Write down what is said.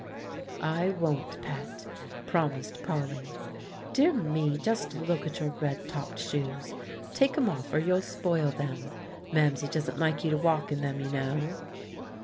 "I won't, Pet," promised Polly. "Dear me! just look at your red topped shoes. Take 'em off, or you'll spoil them; Mamsie doesn't like you to walk in them, you know."